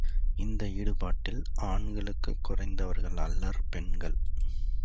இந்த ஈடுபாட்டில் ஆண்களுக்கு குறைந்தவர்கள் அல்லர் பெண்கள்.